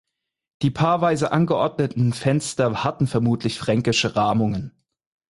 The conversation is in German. Die paarweise angeordneten Fenster hatten vermutlich fränkische Rahmungen.